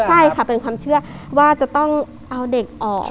ใช่ค่ะเป็นความเชื่อว่าจะต้องเอาเด็กออก